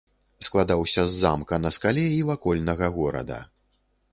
Складаўся з замка на скале і вакольнага горада.